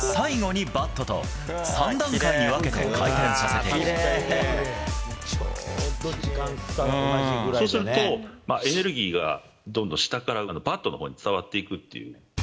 最後にバットと、そうすると、エネルギーがどんどん下からバットのほうに伝わっていくっていう。